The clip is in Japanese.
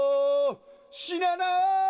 「死なない！」